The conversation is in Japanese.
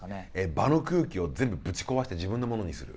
場の空気を全部ぶち壊して自分のものにする。